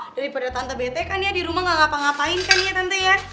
daripada tante bete kan ya di rumah gak ngapa ngapain kan ya tante ya